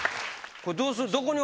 これどうする？